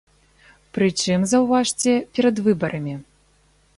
Прычым, заўважце, перад выбарамі.